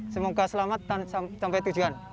semoga selamat sampai tujuan